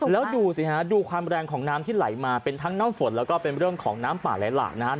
แล้วดูสิฮะดูความแรงของน้ำที่ไหลมาเป็นทั้งน้ำฝนแล้วก็เป็นเรื่องของน้ำป่าไหลหลากนะครับ